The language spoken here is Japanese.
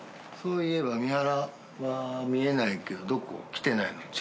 そういえば三原は見えないけどどこ？来てないの？